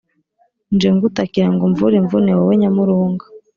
nje ngutakira ngo umvure imvune, wowe nyamurunga